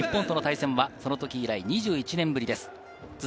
日本との対戦はその時以来、２１年ぶりです。